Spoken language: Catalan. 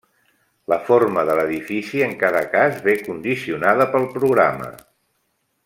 La forma de l'edifici en cada cas ve condicionada pel programa.